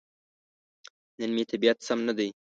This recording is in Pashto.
نن مې طبيعت سم ندی.